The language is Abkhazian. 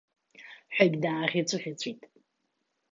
Ҳәагьы дааӷьаҵәыӷьаҵәит.